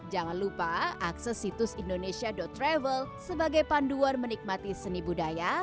jangan lupa akses situs indonesia travel sebagai panduan menikmati seni budaya